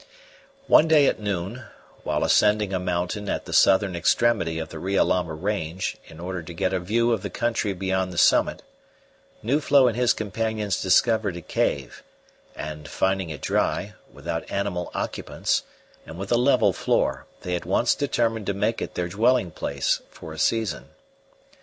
One day at noon, while ascending a mountain at the southern extremity of the Riolama range in order to get a view of the country beyond the summit, Nuflo and his companions discovered a cave; and finding it dry, without animal occupants, and with a level floor, they at once determined to make it their dwelling place for a season.